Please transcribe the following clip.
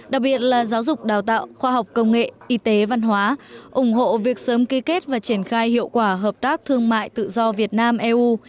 đặc biệt là giáo dục đào tạo khoa học công nghệ y tế văn hóa ủng hộ việc sớm ký kết và triển khai hiệu quả hợp tác thương mại tự do việt nam eu